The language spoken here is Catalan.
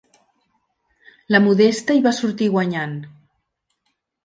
La Modesta hi va sortir guanyant.